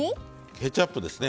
ケチャップですね。